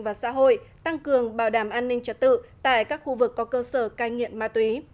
và xã hội tăng cường bảo đảm an ninh trật tự tại các khu vực có cơ sở cai nghiện ma túy